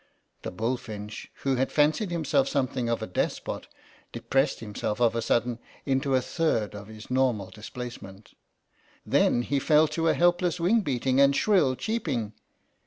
The bull finch, who had fancied himself something of a despot, depressed himself of a sudden into a third of his normal displacement; then he fell to a helpless wing beating and shrill cheeping.